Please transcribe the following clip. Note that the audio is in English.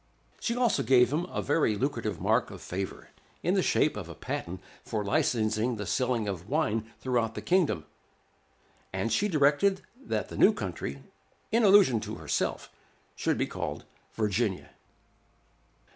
She also gave him a very lucrative mark of favor, in the shape of a patent for licensing the selling of wine throughout the kingdom; and she directed that the new country, in allusion to herself, should be called Virginia.